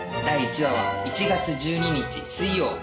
第１話は１月１２日水曜。